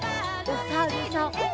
おさるさん。